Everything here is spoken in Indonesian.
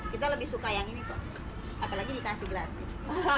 kita lebih suka yang ini kok apalagi dikasih gratis